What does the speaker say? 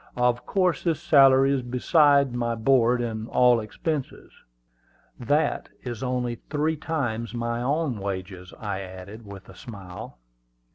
"Of course this salary is besides my board and all expenses." "That is only three times my own wages," I added with a smile.